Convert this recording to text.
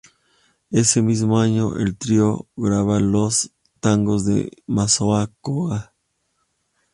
Ese mismo año el trío graba los tangos de Masao Koga.